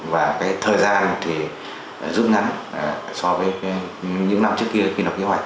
và thời gian thì rút ngắn so với những năm trước kia khi nó kế hoạch